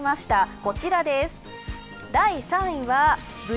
こちらです。